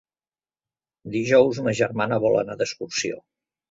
Dijous ma germana vol anar d'excursió.